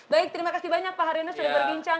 baik terima kasih banyak pak haryono sudah berbincang